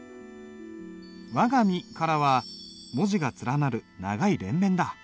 「わがみ」からは文字が連なる長い連綿だ。